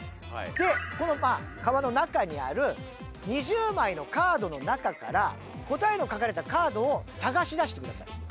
でこの川の中にある２０枚のカードの中から答えの書かれたカードを探し出してください。